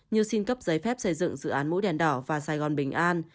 như xin cấp giấy phép xây dựng dự án mũi đèn đỏ và sài gòn bình an